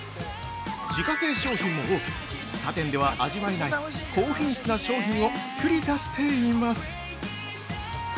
自家製商品も多く他店では味わえない高品質な商品を作り出しています。